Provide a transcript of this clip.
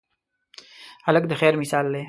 هلک د خیر مثال دی.